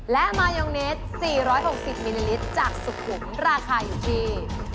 และมายองเนส๔๖๐มิลลิลิตรจากสุขุมราคาอยู่ที่